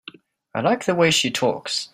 I like the way she talks.